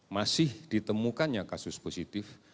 masih ditemukannya kasus positif